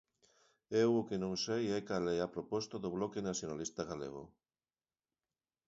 Eu o que non sei é cal é a proposta do Bloque Nacionalista Galego.